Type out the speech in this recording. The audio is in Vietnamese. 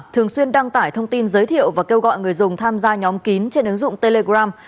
thường xuyên đăng tải thông tin giới thiệu và kêu gọi người dùng tham gia nhóm kín trên ứng dụng telegram